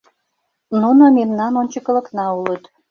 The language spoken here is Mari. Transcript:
— Нуно мемнан ончыкылыкна улыт.